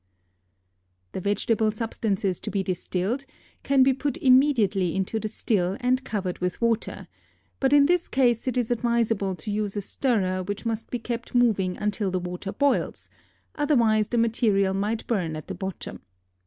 The vegetable substances to be distilled can be put immediately into the still and covered with water; but in this case it is advisable to use a stirrer which must be kept moving until the water boils, otherwise the material might burn at the bottom.